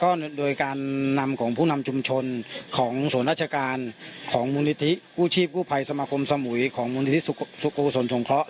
ก็โดยการนำของผู้นำชุมชนของส่วนราชการของมูลนิธิกู้ชีพกู้ภัยสมาคมสมุยของมูลนิธิสุโกศลสงเคราะห